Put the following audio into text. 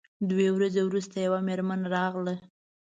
دوې ورځې وروسته یوه میرمن راغله.